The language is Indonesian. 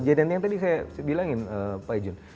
kejadian yang tadi saya bilangin pak ijun